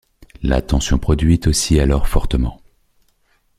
La tension produite oscille alors fortement.